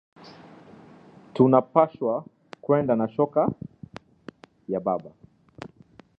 Tuna pashwa kwenda na shoka ya baba